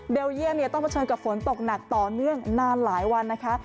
เยี่ยมต้องเผชิญกับฝนตกหนักต่อเนื่องนานหลายวันนะคะ